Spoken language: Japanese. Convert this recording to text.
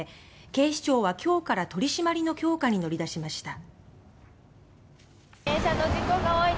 警視庁は今日から取り締まりの強化に乗り出しました。